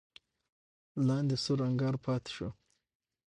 لاندې سور انګار پاتې شو.